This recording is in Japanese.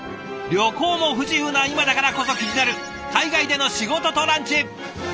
旅行も不自由な今だからこそ気になる海外での仕事とランチ。